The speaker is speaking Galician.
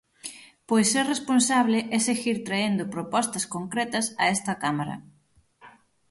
Pois ser responsable e seguir traendo propostas concretas a esta cámara.